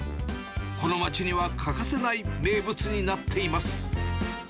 この町には欠かせない名物になっています。